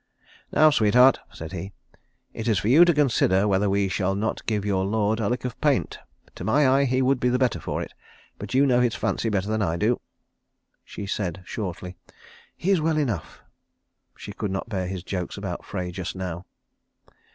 "Now, sweetheart," said he, "it is for you to consider whether we shall not give your lord a lick of paint. To my eye he would be the better for it, but you know his fancy better than I do." She said shortly, "He is well enough." She could not bear his jokes about Frey just now.